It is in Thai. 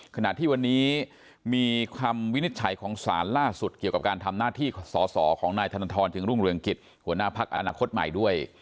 ขณะที่วันนี้มีคำวินิจฉัยของศาลล่าสุดเกี่ยวกับการทำหน้าที่สอสอของนายธนทรจึงรุ่งเรืองกิจหัวหน้าพักอนาคตใหม่ด้วย